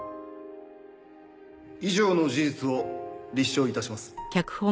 以上の事実を立証致します。